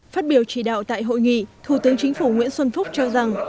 phát biểu chỉ đạo tại hội nghị thủ tướng chính phủ nguyễn xuân phúc cho rằng